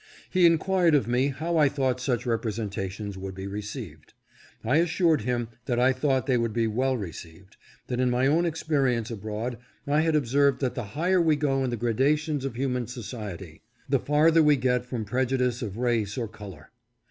He enquired of me how I thought such representations would be received ? I assured him that I thought they would be well received ; that in my own experience abroad I had observed that the higher we go in the gradations of human society, the farther we get from prejudice of race or color.